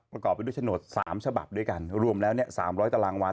ประกอบไปด้วยโฉนด๓ฉบับด้วยกันรวมแล้วเนี่ย๓๐๐ตารางวา